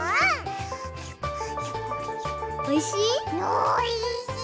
おいしい？